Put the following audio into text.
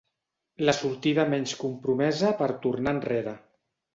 La sortida menys compromesa per tornar enrere.